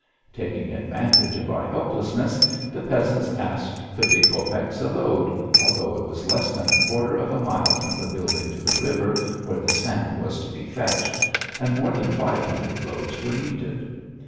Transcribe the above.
Taking advantage of our helplessness, the peasants asked thirty copecks a load, although it was less than a quarter of a mile from the building to the river where the sand was to be fetched, and more than five hundred loads were needed.